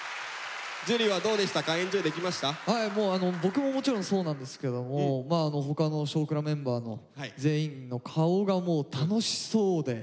僕ももちろんそうなんですけども他の「少クラ」メンバーの全員の顔がもう楽しそうで。